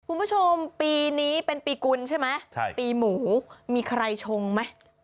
คุณผู้ชมปีนี้เป็นปีกุลใช่ไหมใช่ปีหมูมีใครชงไหม